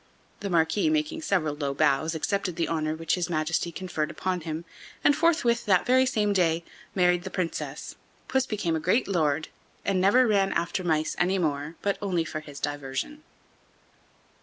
The Marquis, making several low bows, accepted the honor which his Majesty conferred upon him, and forthwith, that very same day, married the Princess. Puss became a great lord, and never ran after mice any more but only for his diversion.